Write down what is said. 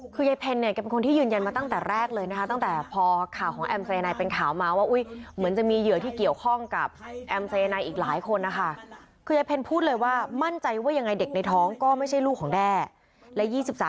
ขออนุญาตเขาเข้าไปเลยไปจัดการมันเลย